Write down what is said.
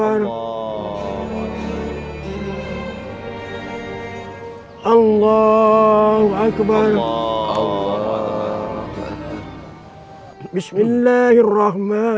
assalamualaikum warahmatullahi wabarakatuh